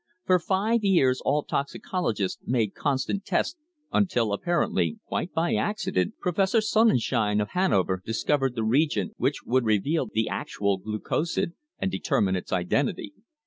For five years all toxicologists made constant tests until apparently quite by accident Professor Sonnenschein, of Hanover, discovered the reagent which would reveal the actual glucosid, and determine its identity.